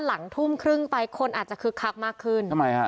หลังทุ่มครึ่งไปคนอาจจะคึกคักมากขึ้นทำไมฮะ